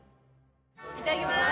いただきます